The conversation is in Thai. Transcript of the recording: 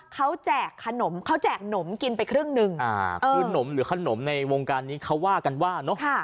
เขาแจกขนมเขาแจกหนมกินไปครึ่งหนึ่งอ่าคือนมหรือขนมในวงการนี้เขาว่ากันว่าเนอะ